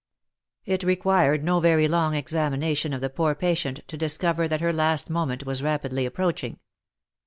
It required no very long examination of the poor patient, to discover that her last moment was rapidly approaching.